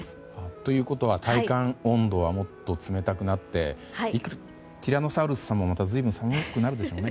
ということは体感温度はもっと冷たくなってティラノサウルスさんもまた随分寒くなるでしょうね。